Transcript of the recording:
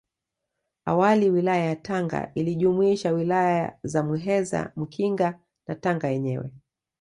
Awali Wilaya ya Tanga ilijumuisha Wilaya za Muheza Mkinga na Tanga yenyewe